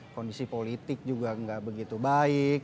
kondisi politik juga nggak begitu baik